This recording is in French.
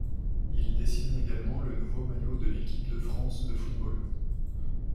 Il dessine également le nouveau maillot de l'équipe de France de football.